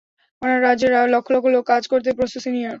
অন্যান্য রাজ্যের লক্ষ লক্ষ লোক কাজ করতে প্রস্তুত, সিনিয়র।